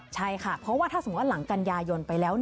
ใช่ค่ะเพราะว่าถ้าสมมุติว่าหลังกันยายนไปแล้ว